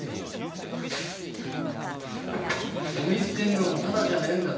ゴミ捨てんのもタダじゃねえんだぞ？